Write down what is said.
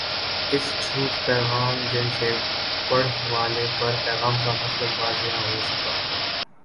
S چھوٹ پیغام جن سے پڑھ والے پر پیغام کا مطلب واضح ہو سکہ